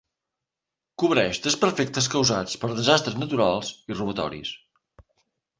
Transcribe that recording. Cobreix desperfectes causats per desastres naturals i robatoris.